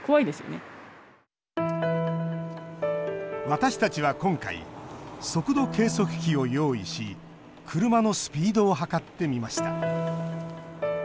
私たちは今回速度計測器を用意し車のスピードを測ってみました。